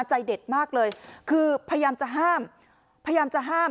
ใจเด็ดมากเลยคือพยายามจะห้ามพยายามจะห้าม